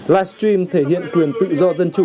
live stream thể hiện quyền tự do dân chủ